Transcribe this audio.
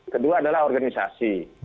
kedua adalah organisasi